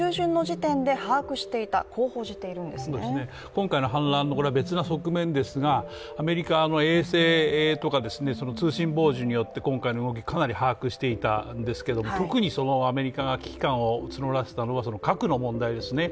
今回の反乱の別の側面ですがアメリカの衛星とか通信傍受によって今回の動き、かなり把握していたんですけれども、特にアメリカが危機感を募らせたのは核の問題ですね。